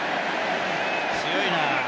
強いな。